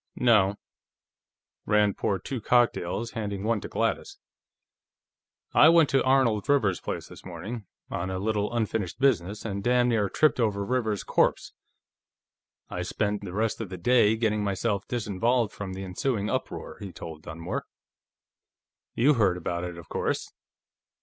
"No." Rand poured two cocktails, handing one to Gladys. "I went to Arnold Rivers's place this morning, on a little unfinished business, and damn near tripped over Rivers's corpse. I spent the rest of the day getting myself disinvolved from the ensuing uproar," he told Dunmore. "You heard about it, of course."